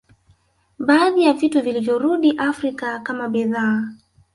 Baadhi ya vitu vilivyorudi Afrika kama bidhaa